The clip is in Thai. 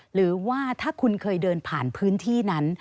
หรือว่าถ้าคุณเคยเดินผ่านพื้นที่นั้น